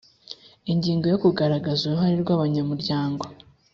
Ingingo yo Kugaragaza uruhare rw abanyamuryango